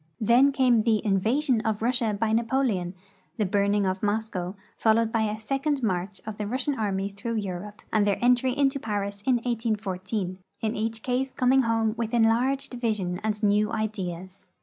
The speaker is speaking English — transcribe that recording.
Then came the invasion of Russia by Napoleon, the burning of Moscow, followed l)y the second march of the Rus sian armies through Europe, and their entry into Paris in 1814, in each case coming home with enlarged vision and new ideas.